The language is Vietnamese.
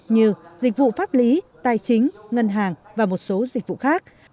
như dịch vụ pháp lý tài chính ngân hàng và một số dịch vụ khác